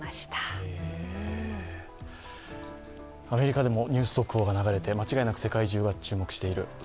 アメリカでもニュース速報が流れて、間違いなく世界中が注目している。